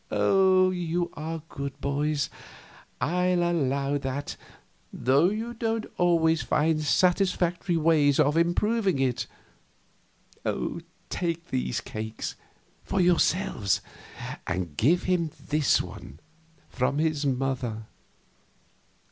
You are good boys, I'll allow that, though you don't always find satisfactory ways of improving it. Take these cakes for yourselves and give him this one, from his mother."